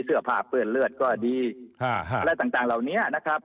เสื้อผ้าเปื้อนเลือดก็ดีอะไรต่างเหล่านี้นะครับ